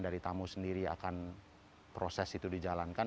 dari tamu sendiri akan proses itu dijalankan